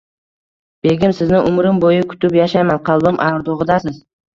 Begim, sizni umrim boʻyi kutib yashayman, qalbim ardogʻidasiz.